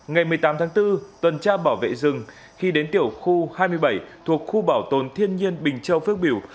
ngày một mươi tám tháng bốn tuần tra bảo vệ rừng khi đến tiểu khu hai mươi bảy thuộc khu bảo tồn thiên nhiên bình châu phước biểu